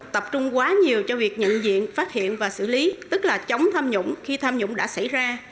tập trung quá nhiều cho việc nhận diện phát hiện và xử lý tức là chống tham nhũng khi tham nhũng đã xảy ra